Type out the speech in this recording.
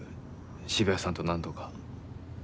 渋谷さんと何度か。